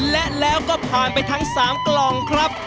และแล้วก็ผ่านไปทั้ง๓กล่องครับ